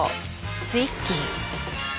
ツイッギー。